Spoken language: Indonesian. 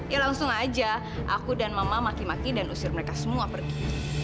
ya langsung aja aku dan mama maki maki dan usir mereka semua pergi